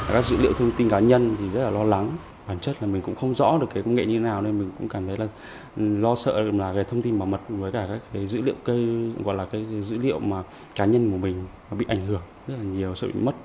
các dữ liệu thông tin cá nhân thì rất là lo lắng bản chất là mình cũng không rõ được cái công nghệ như thế nào nên mình cũng cảm thấy lo sợ là cái thông tin bảo mật với cả cái dữ liệu cá nhân của mình bị ảnh hưởng rất là nhiều sợ bị mất